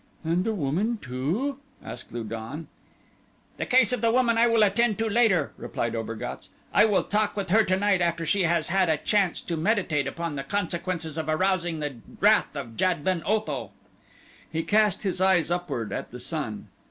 "And the woman, too?" asked Lu don. "The case of the woman I will attend to later," replied Obergatz. "I will talk with her tonight after she has had a chance to meditate upon the consequences of arousing the wrath of Jad ben Otho." He cast his eyes upward at the sun.